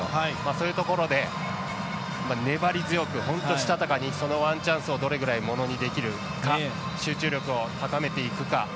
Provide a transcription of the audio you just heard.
そういうところで粘り強く本当、したたかにそのワンチャンスをものにできるか集中力を高めていくか